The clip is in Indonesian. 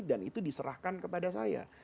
dan itu diserahkan kepada saya